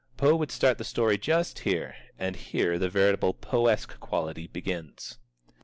Poe would start the story just here, and here the veritable Poe esque quality begins.